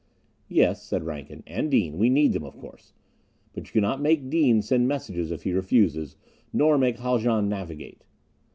"Yes," said Rankin. "And Dean. We need them, of course. But you cannot make Dean send messages if he refuses, nor make Haljan navigate."